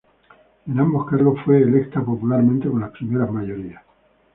En ambos cargos fue electa popularmente con las primeras mayorías.